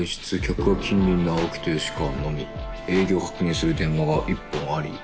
客は近隣の青木と吉川のみ」「営業を確認する電話が一本あり。